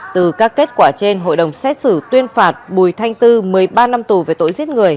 từ các kết quả trên hội đồng xét xử tuyên phạt bùi thanh tư một mươi ba năm tù về tội giết người